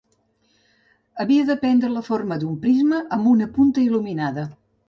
Havia de prendre la forma d'un prisma amb una punta il·luminada.